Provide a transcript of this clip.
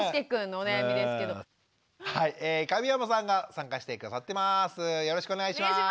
はい神山さんが参加して下さってます。